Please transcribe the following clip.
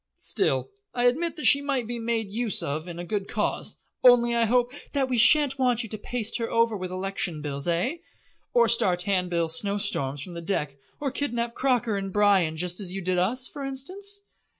Still, I admit that she might be made use of in a good cause, only I hope " "That we shan't want you to paste her over with election bills, eh? or start handbill snowstorms from the deck or kidnap Croker and Bryan just as you did us, for instance?"